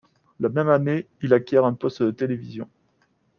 La même année il acquiert un poste de télévision.